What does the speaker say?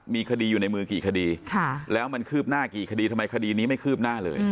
มีคดีอยู่ในมือกี่คดีแล้วมันคืบหน้ากี่คดีทำไมคดีนี้ไม่คืบหน้าเลย